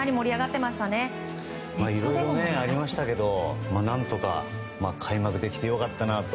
いろいろありましたけど何とか開幕できて良かったなと。